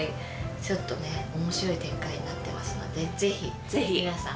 ちょっとね面白い展開になってますのでぜひ皆さん